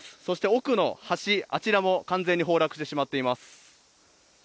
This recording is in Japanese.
奥の橋、あちらも完全に崩落してしまっています。